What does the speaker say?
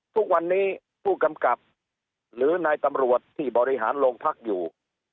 ทุกวันนี้ผู้กำกับหรือนายตำรวจที่บริหารโรงพักอยู่